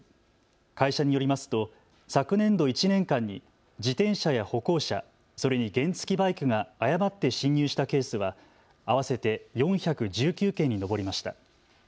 会社によりますと昨年度１年間に自転車や歩行者、それに原付きバイクが誤って進入したケースは合わせて４１９件に上りました。